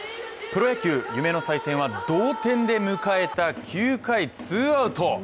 プロ野球夢の祭典は同点で迎えた９回ツーアウト。